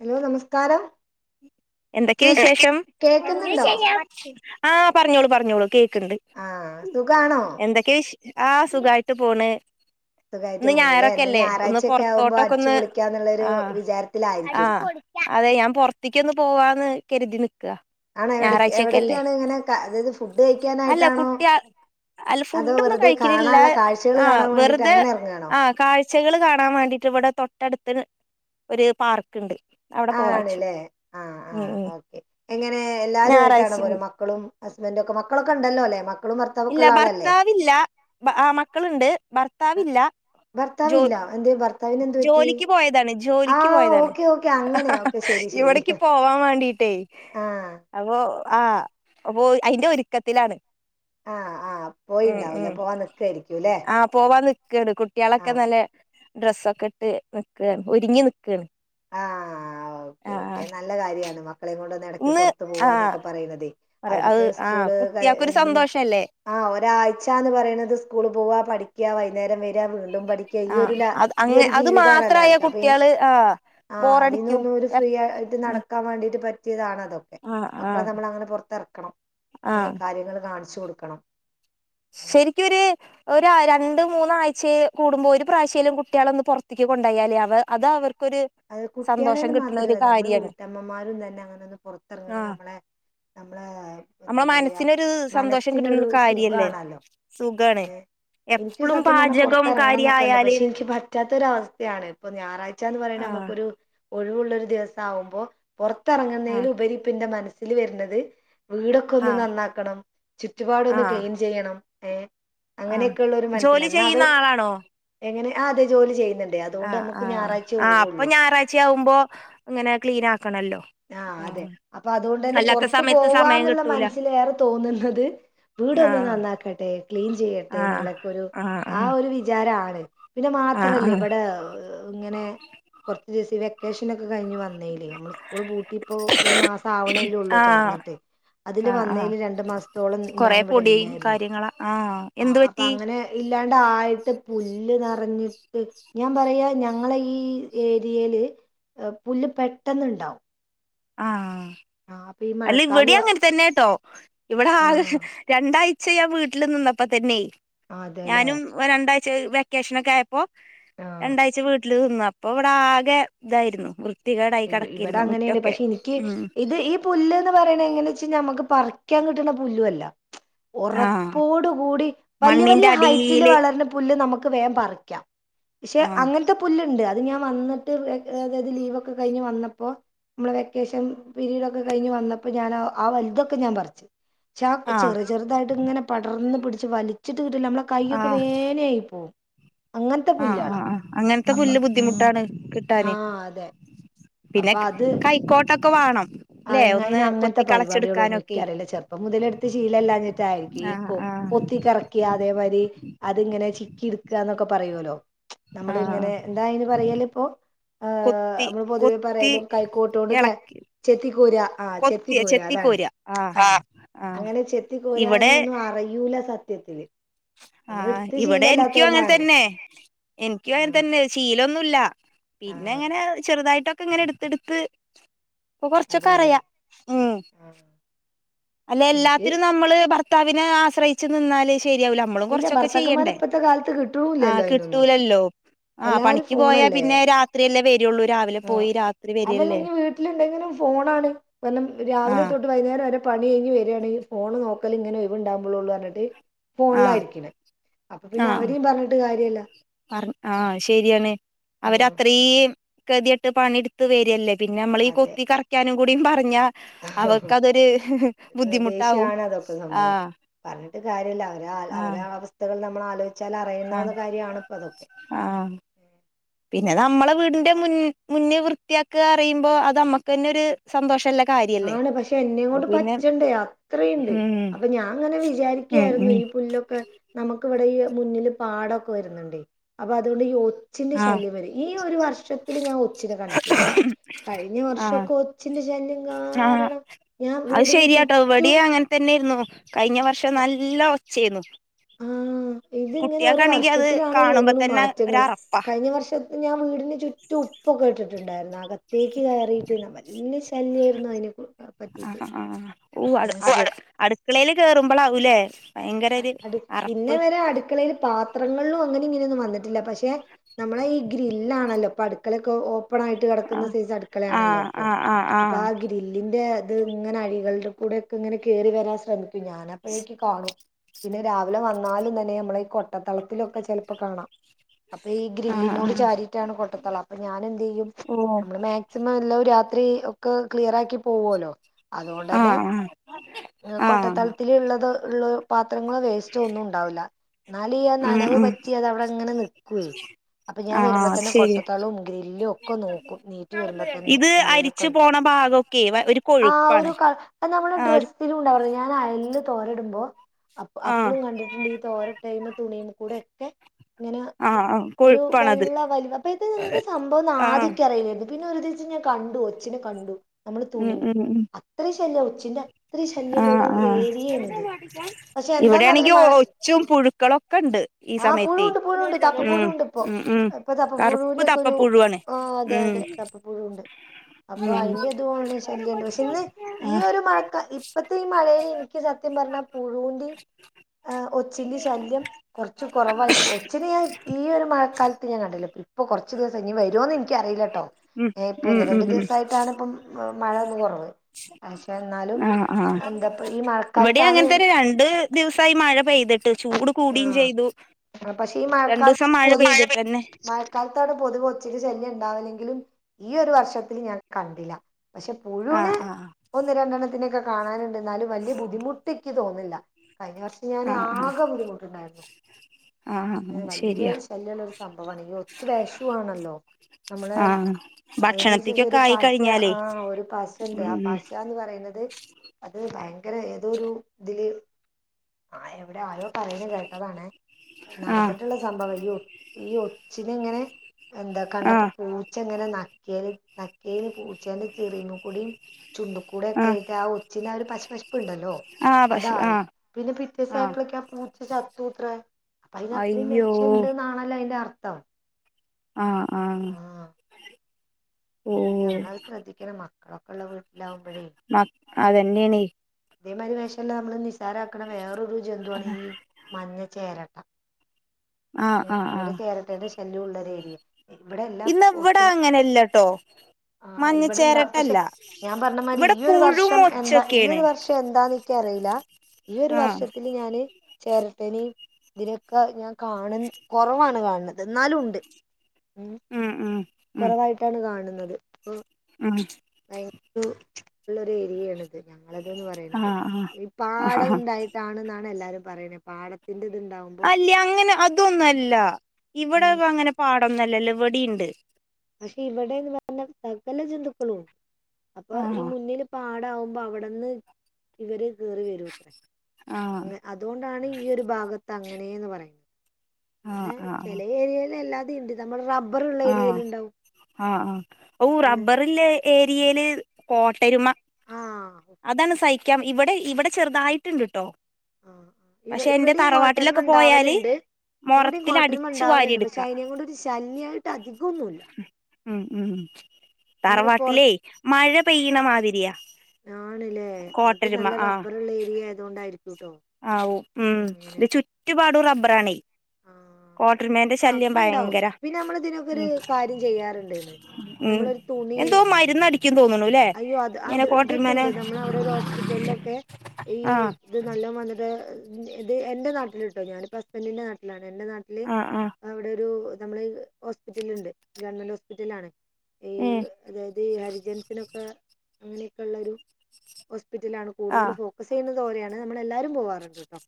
Hello നമസ്കാരം. എന്തൊക്കെ കേക്ക് വിശേഷം? കേക്കുന്നുണ്ടോ ആ പറഞ്ഞോളി പറഞ്ഞോളി കേക് ആഹ് [unintelligible] സുഖാണോ എന്തൊക്കെവിശ് ആ സുഖായിട്ട് പോണ് സുഖായിട്ട് ഇന്ന് പോണല്ലേ ഇന്ന് ഞായറൊക്കെയല്ലേ ഒന്ന് ഞായറാഴ്ചയൊക്കെ ആകുമ്പോ പൊറത്തോട്ടൊക്കെ അടിച്ചു ഒന്ന് പൊളിക്കാന്നുള്ളൊരു ആഹ് വിചാരത്തിലായിരിക്കും ആഹ് അതെ ഞാൻ പൊറത്തേക്കൊന്ന് പോവാന്ന് കരുതി നി ആണോ എവിടെ ഞായറാഴ്ചൊക്കെല്ലേ എവിടൊക്കെയാണ് ഇങ്ങനെ അതായത് ഫുഡ് അല്ല കഴിക്കാനായിട്ടാണോ കുട്ട അല്ല അതോ ഫുഡഡൊന്നും വെറുതെ കഴിക്കില്ല കാണാനുള്ള കാഴ്ചകൾ ആ കാണാൻ വേണ്ടിട്ട് വെറ്തെ അങ്ങനെ ഇറങ്ങാണോ ആ കാഴ്ചകൾ കാ കാണാൻ വേണ്ടിട്ട് ഇവിടെ തൊട്ടടുത്ത് ഒരു ഒരു പാർക്ക്ണ്ട്. അവിടെ പോവാച്ചു ആണ്ല്ലേ ആ ആ ഉം ഉം ഓക്കെ എങ്ങനെ എല്ലാവരുുംമായിട്ടാണ് ഞായറാഴ്ച പോരെ മക്കളും ഹസ്ബൻഡറ ഒക്കെ മക്കളൊക്കെ ഉണ്ടല്ലോല്ലേ ഇല്ല ഭർത്താവില്ല ആ മക്കളുണ്ട് ഭർത്ത ഭർത്താവില്ല ജോ ഭർത്താവില്ല എന്തെ ഭർത്താവിന് എന്ത് പറ്റി ജോലിക്ക് പോയതാണ് ജോലിക്ക് ആഹ് പോയതാണ്, ഓക്കെ ഓക്കെ അങ്ങനെ ഓക്കെ ശരി ശരി ഇവിടക്ക് പോവാൻ വേണ്ടിട്ടേ ആഹ് അപ്പൊ. ആഹ് അപ്പൊ അയിന്റെ ഒരുക്കത്തിലാണ്. ആഹ് ആഹ് ഉം പോയിണ്ടാവൂല ഉം പോവാൻ നിക്കായിരിക്കും ല്ലേ ആഹ് പോവാ നിക്കാണ് കുട്ടികളൊക്കെ ആഹ് നല്ല. ഡ്രസ്സൊക്കെ ഇട്ട് നിക്കാണ് ഒരുങ്ങി നിക്കാണ്. ആഹ് ഓക്കേ ആ ഓക്കേ നല്ല കാര്യാണ്. മക്കളെ കൊണ്ട് ഇടയ്ക്ക് ഇന്ന് പുറത്ത് ആ പോവാന്നൊക്കെ പറയണത് പറ അത് അവരിപ്പോ ആ സ്കൂള് കുട്ടികൾക്കൊരു എന്നും സന്തോഷല്ലേ ആഹ് ഒരാഴ്ച എന്ന് പറയുന്നത് സ്കൂള് പോവാ പഠി ക്കുക വൈകുന്നരം വരും. ക്കു വീണ്ടും പഠിക്കാ ഈ ആ ഒരു ല അത് ഈ അങ്ങ ഒരു അത് ജീവിത മാത്രായ ആണല്ലാവർക്കും അപ്പനി. കുട്ടികള് ആ ആഹ് ബോറടിക്കും അതിന്നൊന്നും ഒരു ഫ്രീ ആയിട്ട് നടക്കാൻ വേണ്ടി. പറ്റിയതാണത് ഇതൊക്കെ ആ ആ മക്കളെ നമ്മളങ്ങനെ പൊത്തെറക്കണം ഏഹ് കാര്യങ്ങള് കാണിച്ച് ച്ചു കൊടുക്കണം ഉം. ശെരിക്കൊരു ഒ രണ്ട് മൂന്ന്ആഴ്ച്ച് ച്ച് കൂടുമ്പോ ഒരു പ്രാവശ്യെലും കുട്ട്യേളെ ഒന്ന് പൊറത്തിക്ക് കൊണ്ടോ യാല് അവ അത് അവർക്ക് അത് കുട്ടികളെന്ന് മാത്രല്ല നമ്മള് കാര്യാണ് വീട്ടമ്മമാരും തന്നെ അങ്ങനെ ഒന്നു പൊറത്തറങ്ങ്ണ ആഹ് നമ്മളെ മ്ലേ എന്താ നമ്മളെ പറയാ മനസ്സിനൊരു സന്തോഷം കിട്ടണ മനസ്സിനൊരു ഒരു കാര്യല്ലേ സുഖാണാല്ലൊ സുഖാണ് എനിക്ക് എപ്പളും സത്യം പറഞ്ഞാ പാചകം പൊറ്ത്തെറങ്ങണംന്നൊക്കെ ഇണ്ട് കാര്യായാല് പക്ഷെ എനിക്ക് പറ്റാത്തൊരവസ്ഥയാണ് ഇപ്പൊ ഞായറാഴ്ചാന്ന് പറ ആഹ് ഒഴിവുള്ള ഒരു ദിവസാവുമ്പോ പൊറത്തിറങ്ങുന്നേയ്ല് ആഹ് ഉപരിപ്പിന്റെ മന തില് വെര്ന്നത് വീടൊക്കെ ഒന്ന് ആഹ് നന്നാക്കണം ചുറ്റുപാടൊന്ന് ക്ലീൻ ചെയ്യണം ഏഹ് അഹ് ജോലി ചെയ്യുന്ന ആളാണോ ആഹ് അതെ ജോലി ചെയ്യുന്ന്ണ്ട് ആഹ് ആഹ് ആഹ് അപ്പൊ ഞാറ ച്ചാഉമ്പോ ഇങ്ങനെ ക്ലീനാക് ആഹ് അതെ അപ്പ അതോണ്ടന്നെ അല്ലാത്ത പോർത്ത് സമയത്ത് സമയം പോവാന്ന്ള്ള കിട്ടൂല മനസ്സില് ഏറെ തോന്ന്ന്നത് വീടൊന്ന് ആഹ് നന്നാക്കട്ടെ ക്ലീൻ ചെയ്യട്ടെ ആഹ് ന്ന്ള്ളെക്കെ ഒരു ആഹ് ആ ആഹ് ഒരു വിചാരാണ് പിന്നെ ആഹ് മാത്രല്ല ഇവടെ ഇങ്ങനെ കോർച്ച് [unintelligible] ക്കെഷേനൊക്കെ കഴിഞ്ഞ് വന്നേല് ഓള് പൂട്ടി ഇപ്പോ ഒരു മാസം ആവ്ണല്ലെ ഒള്ളൂ ആഹ് ആഹ് തോർന്ന്ട്ട് അതില് ആഹ് ആഹ് വന്നേല് രണ്ടു മാസത്തോളം കൊറെ ഞാന് വ്ടെ പൊടിയും ഇല്ലായിരുന്നു. കാര്യങ്ങളാ എന്ത് ആഹ് അപ്പ പറ്റി അങ്ങനെ ഇല്ലാണ്ടായ്ട്ട് പുല്ല് നെർഞ്ട്ട് ഞാൻ പറയാ ഞങ്ങളെ ഈ ഏരിയെല് പുല്ല് പെട്ടെന്ന്ണ്ടാവും ആഹ് ഈ അല്ല ഇവടിം മഴക്കാലം അങ്ങൻ തന്നെട്ടോ ഇവടെ ആകെ ആഹ് രണ്ടാഴ് ചെയ്യാൻ വീട്ടില് നിന്നപ്പോ തന്നെയ് അതെല്ലേ ഞാനും രണ്ടാ വെക്കേഷനൊക്കെ ആയപ്പോ ആഹ് രണ്ടാഴ്ച്ച വീട്ടില് നിന്നു അപ്പോ ഇവിടെ ആകെ ഇതായിരുന്നു വൃ വൃത്തികേടായി ഇവിടെ കിടക്കേരുന്നു മു അങ്ങനെയാണ് പക്ഷെ എനിക്ക് ഇത് ഈ പുല്ല് എന്ന് പറയണ എങ്ങനെ വെച്ചുഴിഞ്ഞ നമുക്ക് പറിക്കാൻ കിട്ടുന്ന പുല്ലുവല്ല ആഹ് ഉറപ്പോടുകൂടി വലിയ മണ്ണിന്റെ വലിയ ഹൈറ്റില് അടിയില് വളരണ പുല്ല് നമുക്ക് നമുക്ക് വേഗം പറിക്കാം പക്ഷെ ആഹ് അങ്ങനത്തെ പുല്ലുണ്ട് അ അത് ഞാൻ വന്നിട്ട് അതായത് ലീവൊ കഴിഞ്ഞ് വന്നപ്പോ നമ്മള് വെക്കേഷൻ പീരീഡ് ഒക്കെ കഴിഞ്ഞ് വന്നപ്പോ ഞാൻ ആ വലുതൊക്കെ ഞാൻ പറിച്ചു ചാ ആഹ് ചെറു ചെറുതായിട്ട് ഇങ്ങനെ പടർന്ന് പി വലിച്ച് [unintelligible] നമ്മള കൈയ്യൊക്കെ ആഹ് വേയനായി പോവും അങ്ങനത്തെ ആഹ് ആ പുല്ലുകളാ ആ അങ്ങനത്തെ പുല്ല് അപ്പൊ ബുദ്ധിമുട്ടാണ് കിട്ടാനെ ആഹ് അതെ പിന്നെ കൈക്കോ ട്ടൊക്കെ വേണം അ അയിന് അങ്ങനത്തെ പരിപാടികള് ഒന്നും എനിക്കറിയില്ല ചെറുപ്പം മുതലെടുത്ത് ശീലല്ലാഞ്ഞിട്ടായിയിരിക്കും ഈ ആഹ് കൊ ആഹ് കൊത്തി കറക്കിയ അതേമാരി അതങ്ങനെ ചിക്കി എടുക്കുകന്നൊക്കെ പറയുവല്ലോ നമ്മള് ആഹ് ഇങ്ങനെ എന്താ അയിന് പറയാല് ഇപ്പോ ആ കൊത്തി നമ്മള് പൊതുവെ കൊത്തി പറയലോ കൈക്കോട്ടോടുക്കാൻ എളക്കി ചെത്തിക്കോരാ ആ കൊത്തിയ ചെത്തിക്കോര അതാണ് ആഹ് ആഹ് അങ്ങനെ ഇവിടെ ചെത്തിക്കോരാനൊന്നും അറിയൂല സത്യ [unintelligible] ആഹ് ഇവിടെ എനിക്കും അങ്ങനെ തന്നെ എനിക്കും അങ്ങനെ ആഹ് തന്നെ ശീലം ഒന്നൂല്ല പിന്നെ ആഹ് ഇങ്ങനെ ചെറുതായിട്ടൊ ഇങ്ങനെ എടുത്തെടുത്ത് ഇപ്പ കുറച്ചൊക്കെ അതെല്ലേ അറിയാ ഉം ആഹ് അല്ല എനിക്ക് എല്ലാത്തിനും നമ്മള് ഭർ ത്താവിനെ ആശ്രയിച്ചു നിന്നാല് ശരിയാവൂല നമ്മളും ഇല്ല കുറച്ചൊക്കെ ചെയ്യേണ്ട ഭർത്താക്കന്മാരെ ഇപ്പത്തെ കാലത്ത് ആ കിട്ടൂല്ലല്ലോ അയിനൊന്നും കിട്ടൂല്ലല്ലോ അത് ആ എല്ലാരും പണിക്ക് പോയാ പിന്നെ രാത്രിയല്ലേ വ യുള്ളു ആ അതല്ല ഇനി വീട്ടിലുണ്ടെങ്കിലും ഫോണാണ് വല്ലം രാവിലെ ആഹ് തൊട്ട് വൈകുന്നേരം വരെ പണി കഴിഞ് വര്യാണെങ്കി ഫോണ് നോക്കാല് ഇങ്ങനെ ഒയിവ് ഉണ്ടാവുമ്പോളു ള്ളൂന്ന് പറഞ്ഞിട്ട് ആ ഫോണിലായിരിക്കണെ അപ്പൊ ആ പിന്നെ അവരെയും പറഞ്ഞിട്ട് കാര്യല്ല പറ ആഹ ശരിയാണ് ആഹ് അവരത്രയും ഗതികെട്ട് ട്ട് പണിെടുത്ത് വരിയല്ലേ പിന്നെ നമ്മളീഈ അതെ കൊത്തി കറക്കാനും കുടിയും പറഞ്ഞ അവർക്ക് അതൊരു ബുദ്ധിമുട്ടാവും ആഹ ഇ കാര്യല്ല അവ അവര അവസ്ഥകൾ നമ്മൾ അലോ ആ ആ പിന്നെ നമ്മള് - വീടിന്റെ മുന്നേ വൃത്തിയാക്കുക അറുമ്പോ അത് നമ്മുക്ക് തന്നെ ഒരു സന്തോഷംല്ല ആണ് പക്ഷെ എന്നെ കൊണ്ട് പറ്റണ്ടേ അത്രുണ്ട് ഉം അപ്പൊ ഞാൻ അങ്ങനെ ഉം വിചാരിക്കയായിരുന്നു ഉം ഈ പുല്ലൊക്കെ നമുക്ക്വിടെ ഈ മുന്നിൽ പാടൊക്കെ വരുന്നുണ്ട് അപ്പൊ അതുകൊണ്ട് ഒച്ചിന്റെ ആഹ് ശല്യം വരെ ഈ ഒരു വർഷത്തില് ഞാൻ ഒച്ചിനെ കണ്ടിട്ടില്ല കഴിഞ്ഞ വർഷമൊക്കെ ഒച്ചിന്റെ ശല്യം ആ കാരണം ഞാൻ അത് വീടിന് ശരിയാട്ടോ ചുറ്റും ഇവിടിയ അങ്ങനെ തന്നെയിരുന്നു കഴിഞ്ഞ വർഷം നല്ല ഒ ചെയ്യുന്നു ആ ഇതിങ്ങനെ ഒരുോ അത് വർഷത്തിലാണ കാണുമ്പോ തോന്നണ തന്നെ മാറ്റങ്ങൾ ഒരറപ്പാ കഴിഞ്ഞ വർഷത്തി ഞാൻ വീടിന് ചുറ്റും ഉപ്പൊക്കെ ഇട്ടിട്ടുണ്ടായിരുന്നു അകത്തേക്ക് കയറിയിട്ട്ാ വല്ല ആ ഓ അ അടുക്കളെല് കേറുമ്പളാവൂല്ലേ അത് ഇന്ന വരെ അടുക്കളയില് പാത്രങ്ങളിലും വന്നിട്ട് ഇനൊന്ന വന്നട്ടില്ല പക്ഷെ ക്ഷെ നമ്മളെ ഈ ഗ്രില്ലാണല്ലോ പടു ഓപ്പൺ ആായിട്ട് കിടക്കുന്ന ആഹ് സ അടുക്കളയാണല്ലോ ആഹ് അപ്പോൊ ആഹ് അപ്പോൊ ആഹ് ആ ഗ്രില്ലിന്റെ അത് ഇങ്ങനെ അഴികള കൂടെ ഒക്കെ ഇങ്ങനെ കേറി വരാൻ ശ്രമിക്കു ഞാനപ്പോഴേക്ക് കാണും പിന്നെ രാവിലെ വന്നാലും തന്നെ നമ്മളെ ഈ കൊട്ടത്തളത്തിലൊക്കെ ചെിലപ്പോ കാണാം അപ്പൊ ഈ ആഹ് ആഹ് ഗ്രില്ലിനോട് ആഹ് ചാരിട്ടാണ് കൊട്ടത്തളം അപ്പൊ ഞാൻ എന്ത് ചെയ്യും ഓ നമ്മള് മാക്സിമം എല്ലാം രാത് ഒത്തിരി ഒക്കെ ക്ലിയർ ആക്കി പോവുല്ലോ അതുകൊണ്ട് തന്നെ ആഹ് ആഹ് ആഹ് കൊട്ടത്തലത്തില് ഉള്ളത് ഉള്ള നമ്മളെ വേസ്റ്റ് ഒന്നും ഉണ്ടാവില്ല എന്നാലും ഈ ഉം നനവ് ഉം പറ്റിയെ അതവടെ അങ്ങനെ നിക്കുവേ അപ്പൊ ഞാൻ ആഹ് വരുമ്പോ അത് തന്നെ ശരിയ കൊട്ടത്താളവും ഗ്രില്ലും ഒക്കെ നോക്കും എണീറ്റ് വരുമ്പോ തന്നെ ഇത് എന്തേലും മൊക്കെ അരിച്ചു ഉണ്ടോ പോണ ഭാഗമൊക്കെ ഒരു ആ കൊഴുപ്പാണ് ഒരു നമ്മളെ ആഹ് ഒരു ഡ്രസിലും ഉണ്ടാവലില്ലെ ഞാൻ അയയില് തോരിടുമ്പോ അപ്പ ആഹ് അപ്പോളും കണ്ടിട്ടുണ്ടീ ഈ തോരാ ഇട്ടയ് തുണി കൂടെയെക്കെ ഇങ്ങനെ ആഹ് ആഹ് ഒരു കൊഴുപ്പാണത് വെള്ള വലിവ് അപ്പൊ ഇത് എന്ത് സംഭവം ആഹ് ആദ്യനിക്ക് അറിയില്ലെരുന്നു. പിന്നെ ഒരുദ്ദേശം ഞാൻ കണ്ടു. ഒച്ചിനെ കണ്ടു. നമ്മള് ഉം തുണിമേ ഉം ഉം അത്ര ല്ല ഒച്ചിന്റെ അത്രയും ശല്യമുള്ള ആഹ് ഒരു ആഹ് ഏരിയയാണിത് പക്ഷെ എന്താന്നറിയില്ല ഇവിടെയാണെങ്കി മഴ ഒച്ചും പുഴുക്കളൊക്കെണ്ട് ഈ ആ സമയത്ത് പുഴുണ്ട് പുഴുണ്ട് മ്മ് തപ്പപ്പുഴുണ്ട് ഇപ്പൊ മ്മ് മ്മ് ഇപ്പൊ കറുപ്പ് തപ്പപ്പുഴുവിന്റെ ഒക്കെ തപ്പ ഒരു പുഴുവാണ്. ആ അതെ അതെ തപ്പപ്പുഴുണ്ട് മ്മ് അപ്പൊ മ്മ് അതിന്റെ ഇതുകൊണ്ട് ശല്യണ്ട് പക്ഷെ ഇന്ന് ഈ ആഹ് ഒരു മഴക്ക ഇപ്പത്തെ ഈ മഴേൽ ഇനിക്കെ സത്യം പറഞ്ഞാ പുഴുവിൻ്റെയും ആഹ് ഒച്ചിന്റെയും ശല്യം കൊർച്ച് കുറവായിട്ട് ഒച്ചിനെ ഞാൻ ഈ ഒരു മഴക്കാലത്ത് ഞാൻ കണ്ടില്ല ഇപ്പൊ കുറച്ച് കുറച്ചു ദിവസായി ഇനി വരോന്ന് എനിക്ക് എനിക്കറിയില്ല കേട്ടോ ഉം ഞാ ഇപ്പോ ഉം ഒന്ന് ഉം രണ്ട് ഉം ദിവസായിട്ടാണ് ഇപ്പം മഴയൊന്ന് കുറവ്. പക്ഷെ എന്നാലും ആഹ് ആഹ് എന്താപ്പ ഈ ഇവിടെ മഴക്കാലത്താണ് അങ്ങനെ തന്നെ രണ്ട് ദിവസായി മഴ പെയ്തി ആഹ് പക്ഷെ ഈ രണ്ടൂസം മഴ മഴക്കാലത്ത് പെയ്തിട്ടന്നെ മഴക്കാലത്ത് അവിടെ പൊതുവെ ഒച്ചിൻ്റെ ശല്യം ഉണ്ടാവില്ലെങ്കിലും ഈ ഒരു വർഷത്തിൽ ഞാൻ കണ്ടില്ല. പക്ഷെ പുഴുവിനെ ആഹ് ആഹ് ഒന്ന് രണ്ടെണ്ണത്തിനേക്കെ കാണാനുണ്ട്. എന്നാലും വലിയ ബുദ്ധിമുട്ട് നിക്ക് തോന്നില്ല. കഴിഞ്ഞ വർഷം ഞാന് ആഹ് ആഹ് ആകെ ബുദ്ധിമുട്ടി. ആഹ് അത് വല്യ ശരിയാ ശല്യള്ള ഒരു സംഭവാണ്. ഈ ഒച്ച് വെഷം ആണല്ലോ നമ്മളെ ആഹ് അതില് ഒരു സൈസ് ഭക്ഷണത്തിക്കൊക്കെ ഒരു ആയി പശ കഴിഞ്ഞാലേ ആഹ് ഒരു പശണ്ട് ആ ഉം പശാന്ന് പറയുന്നത് അത് ഭയങ്കര ഏതൊരു ഇതില് ആ എവിടെ ആരോ പറ റയണെ കേട്ടതാണേ. ആഹ് നടന്നിട്ടുള്ള സംഭവം. അയ്യോ ഈ ഒച്ചിനെ ഇങ്ങനെ എന്താ കണ്ടപ്പോ ആഹ് പൂച്ച ഇങ്ങനെ ന നക്കിയേല് നക്കിയേല് പൂച്ചേന്റെ ചെറിമ്മേ കൂടിയും ചുണ്ട് കൂടെ ഒക്കെയായിട്ട് ആഹ് ഒച്ചിൻ്റെ ആഹ് ഒരു പശ പശ പ്പ് ഉണ്ടല്ലോ ആഹ് പശു അതായി ആഹ് പിന്നെ ആഹ് പിറ്റേസായപ്പളൊക്കെ ആ പൂ സത്ത ഉത്ര അപ്പൊ അയിന് അത്രേം അയ്യോ വേഷം ഇണ്ട്ന്നാണല്ലോ അതിന്റെ അർ ട്ടൊ ആഹ്ആഹ് നമ്മളത് ശ്രദ്ധിക്കണമ്മ കഫ്ള്ള വീ മ അതന്നേണീ അതേമാതിരി വേശല്ല നമ്മള് നിശ് സാരക്കണ വേറൊരു ജന്തോണ് ഈ മഞ്ഞ ചേരട്ട ആഹ് ആഹ് ഇവിടെ ആഹ് ചേരട്ടെന്റെ കല്ലുള്ളരു ഏരിയ ഇവിടെ ഇന്ന് ഇവട അങ്ങനെല്ലട്ടോ ആഹ് ഇവിടെണ്ടാവ്പക്ഷെ ഞാൻ പറഞ്ഞമാതിരി ഇവിടെ ഈയൊരു പുഴും വർഷം എന്താ ഒച്ചൊക്കെയാണ് ഈയൊരു വർഷം എന്താന്ന് ഇക്കറീല്ല ഈ ഒരു ആഹ് വർഷത്തില് ഞാന് ചേരട്ടനി ഇതിനൊക്കെ ഞാൻ കാണുന് കൊറവാണ് കാണുന്നത് ന്നാലും ഇണ്ട് ഉം ഉം ഉം കൊറവായിട്ടാണ് കാണുന്നത് ഓ ഉം താക് യു ഉള്ളൊരു ഏരിയേണ് ഞങ്ങളത്‌ന്ന് പറയണുന്നത് ആഹ് ഈ ആഹ് പാടം ആഹ് ഉണ്ടായിട്ടാണ്ന്നാണ് എല്ലാരും പറ് ണ് പാടത്തിന്റെ അല്ല അങ്ങനെ അതൊന്നൊല്ല ഇവടെ അങ്ങനെ പാടൊന്നൊല്ലല്ലൊ വെടീണ്ട് പക്ഷെ ഇവിടെന്ന് പറഞ്ഞ സകല ജന്തുക്കളുണ്ട് അപ്പൊ ഈ ആഹ് മുന്നിപ്പാട് വിടെ ആവുമ്പോ അവിടെന്ന് ഇവര് കേറി വരൂത്രെ ആഹ് അ അതുകൊണ്ടാണ് ഈ ഒരു ഭാഗത്ത് അങ്ങനെയന്ന് പറയുന്നത് ആഹ് എ ആഹ് ചെലേ ഏരിയൽ എല്ലാ ടീണ്ട് നമ്മ്ടെ റബ്ബ് വറുള്ള ആഹ് ഏരിയൽ ഉണ്ടാവും ആഹ് അഹ് ഔ റബറില്ലേ ഏരിയേല് കോട്ടരുമ ആഹ് അതാണ് സഹിക്ക് ക്ക്യം ഇവടെ ഇവടെ ചെറുതായിട്ണ്ട് ട്ടോ ആ പക്ഷെ എന്റെ ഇവിടെയും തറവാട്ടിലൊക്കെ പോയാല് കോട്ടരംണ്ടാവലുണ്ട് ഇവിടെയും മൊറത്തിൽ കോട്ടരമണ്ടാവലുണ്ട് പ ചൈനയയും കൊണ്ട്രു ശല്യമായിട്ട് അധികൊന്നുമില്ല ഉ ഉ നമ്മള് പുറ തറവാട്ടിലേ മഴ പെയ്യണ മാതിരി ആ ആണല്ലേ അത് നല്ല ആഹ് റബ്ബർള്ള ഏരിയ ആയതൊണ്ടായിരിക്കുംട്ടോ അങ്ങനെ പ്ര്രാണി ആഹ് കോട്ടരുമേ ന്റെ അപ്പ ശല്യം അപ്പ ഉണ്ടാവും ഭയങ്കര പിന്നെ നമ്മൾ ഇതിനൊക്കെ ഒരു ഉം കാര്യം ചെയ്യാറുണ്ട്ന്ന് ഉം നമ്മളരു തുണി എന്തോ മരുന്നടിക്കും തോന്നുണു ല്ലേ അയ്യോ അത് ഇങ്ങനെ അത് കോട്ടരുമേനെ ഇതൊക്കെണ്ട് നമ്മള അവിടെ ഒരു ഹോസ്പിറ്റലിലൊക്കെ ഈ ആഹ് ഇത് നല്ലോ വന്ന ഇത് എൻന്റെ നാട്ടിലിട്ടോ ഞാനിപ്പ ഹസ്ബന്റിന്റെ നാിലാണ് എന്റെ നാട്ടിൽ ആഹ് ആഹ് അവിടെരു നമ്മള് ഹോസ്പിറ്റല ഉണ്ട് ഗവൺമെന്റ് ഹോസ്പിറ്റല ആണ് ഈ ഉം അതായത് ഈ ഹരിജൻസിനൊക്കെ അങ്ങനെയൊക്കെ ഉള്ളരു വ ഹറ്റാണ് കൂടുതൽ ആഹ് ഫോക്കസ് ചെയ്യുന്നത് തോരെയാണ് നമ്മള എല്ലാരും പോകവാറുണ്ട് കേട്ടോ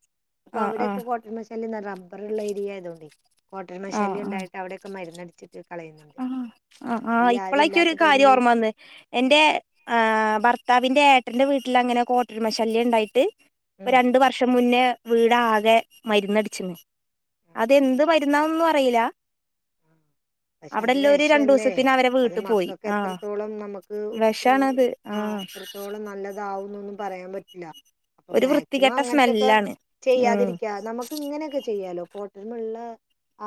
അപ്പൊ ആഹ് ആഹ് അവിടെയൊക്കെ കോട്ട മശാലിന്ന്റ അറ രിയ ആയതോണ്ട് കോട്ടരമശാലി ഉണ്ടായിട്ട് അവിടെൊക്കെ മര ആ ആ ആഹ് ആരും ഇപ്പോളേക്കൊ ഒരു ഇല്ലാത്ത കാര്യം ടൈമിൽ ഓർമ്മ വന്ന് എറെ ആ ഭർത്താവിന്റെഏ പട്ട്ന്റെ വീട്ടിൽ അങ്ങനെ കോട്ടരുമശല്യം ഉണ്ടായിട്ട് രണ്ട വർഷം മുന്നേ വീടാകെ മരുന്നടിച്ചിന്ന് അതെന്ത് മരുന്നാന്നും പററിയില പക്ഷെ അത് വിഷല്ലേ അത് പോയി മക്കൾക്ക് ആഹ് എത്രത്തോളം നമുക്ക് വെഷാണത് ആ ആഹ് എത്രത്തോളം നല്ലതാവുന്നൊന്നും പറയാൻ പറ്റ ല്ല അപ്പൊ ഒരു മാക്സിമം വൃത്തികെട്ട അങ്ങനത്തൊക്കെ സ്മെല്ലാണ് ഉം ചെയ്യാതിരിക്കാ നമുക്ക് ഇങ്ങനെയൊക്കെ ചെയ്യാലോ കോട്ടരമുള്ള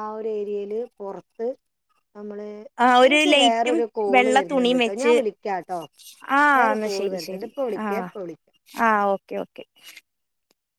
ആ ഒരു ഒരു ഏരിയയില് പുറത്ത് നമ്മള് ആഹ് ഒരു എനിക്ക് ലൈറ്റും വേറൊരു കോള് വെള്ള വരുന്നുണ്ട് തുണിയും കേട്ടോ വെച്ച് ഞാൻ വിളിക്കാംട്ടോ ആഹ് വേറെൊരു എന്നാ കോള് ശരി വരുന്നുണ്ട് ശരി ഇപ്പ വിളിക്ക ആഹ് ഇപ്പ വിളിക്കാം ആഹ് ഓക്കെ ഓക്കെ